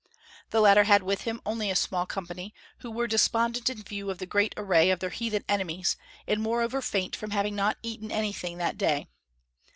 The latter had with him only a small company, who were despondent in view of the great array of their heathen enemies, and moreover faint from having not eaten anything that day.